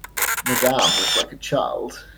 Madame was like a child.